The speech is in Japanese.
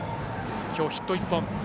きょうヒット１本。